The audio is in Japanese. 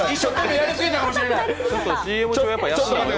やりすぎたかもしれない！